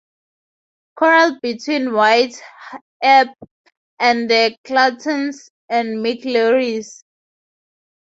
Corral between Wyatt Earp and the Clantons and McLaurys.